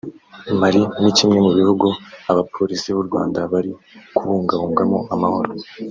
Mali ni kimwe mu bihugu Abapolisi b’u Rwanda bari kubungabungamo amahoro